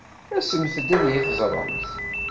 Asemt-d ad iyi-teẓṛemt.